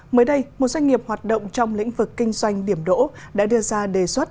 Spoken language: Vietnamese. mới đây một doanh nghiệp hoạt động trong lĩnh vực kinh doanh điểm đỗ đã đưa ra đề xuất